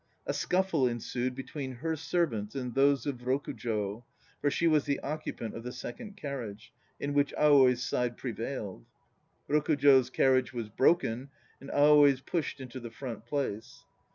A scuffle ensued between her servants and those of Rokujo (for she was the occupant of the second carriage) in which Aoi's side prevailed. Rokujo's carriage was broken and Aoi's pushed into the front place.